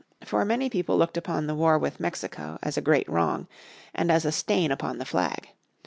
For many people looked upon the war with Mexico as a great wrong, and as a stain upon the flag.